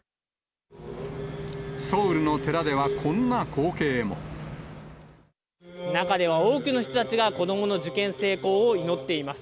ソウルの寺では、こんな光景中では多くの人たちが、子どもの受験成功を祈っています。